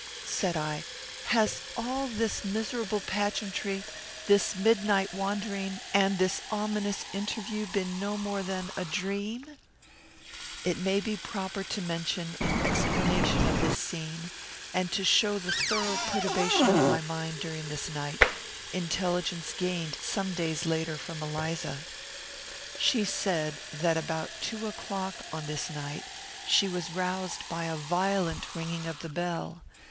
said I; "has all this miserable pageantry, this midnight wandering, and this ominous interview, been no more than a dream?" It may be proper to mention, in explanation of this scene, and to show the thorough perturbation of my mind during this night, intelligence gained some days after from Eliza. She said, that about two o'clock, on this night, she was roused by a violent ringing of the bell.